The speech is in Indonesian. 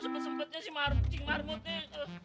sempet sempetnya si cing marmut nih